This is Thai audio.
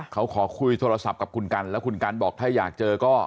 เขาขอคุยโทรศัพท์กับคุณกันแล้วคุณกันบอกถ้าอยากเจอก็